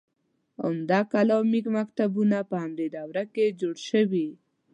عمده کلامي مکتبونه په همدې دوره کې جوړ شوي.